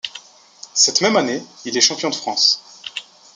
Cette même année, il est champion de France.